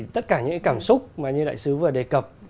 tất cả những cảm xúc mà như đại sứ vừa đề cập